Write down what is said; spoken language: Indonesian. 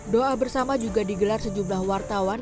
doa bersama juga digelar sejumlah wartawan